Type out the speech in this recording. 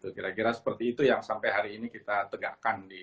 kira kira seperti itu yang sampai hari ini kita tegakkan di